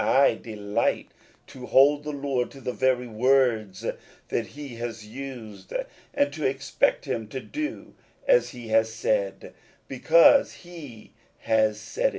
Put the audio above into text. I delight to hold the Lord to the very words that he has used, and to expect him to do as he has said, because he has said it.